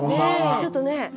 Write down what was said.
ちょっとね。